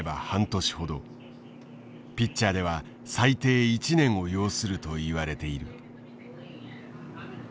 ピッチャーでは最低１年を要するといわれている。